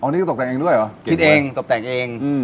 อ๋อนี่ก็ตบแต่งเองด้วยหรอเก่งเว้ยคิดเองตบแต่งเอง